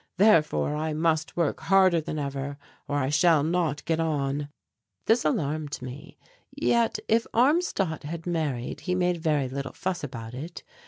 Therefore I must work harder than ever or I shall not get on." This alarmed me. Yet, if Armstadt had married he made very little fuss about it.